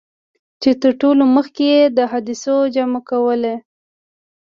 چي تر ټولو مخکي یې د احادیثو جمع کولو.